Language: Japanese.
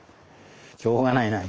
しょうがないな。